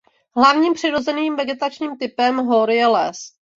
Hlavním přirozeným vegetačním typem hor je les.